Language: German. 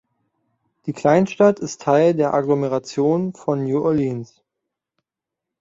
Die Kleinstadt ist Teil der Agglomeration von New Orleans.